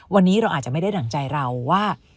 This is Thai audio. วันนี้เราอาจจะไม่ได้ดั่งใจเราว่า